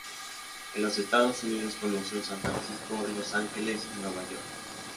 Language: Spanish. En los Estados Unidos conoció San Francisco, Los Ángeles y Nueva York.